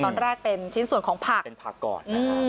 ตอนแรกเป็นชิ้นส่วนของผักเป็นผักก่อนนะคะ